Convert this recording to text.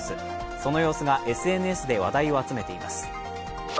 その様子がＳＮＳで話題を集めています。